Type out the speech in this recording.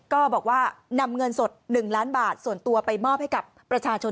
ก็บอกว่านำเงินสด๑ล้านบาทส่วนตัวไปมอบให้กับประชาชน